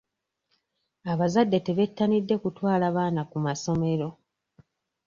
Abazadde tebettanidde kutwala baana ku masomero.